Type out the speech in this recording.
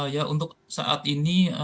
ya untuk saat ini